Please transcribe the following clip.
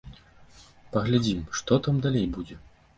Паглядзім, што там далей будзе.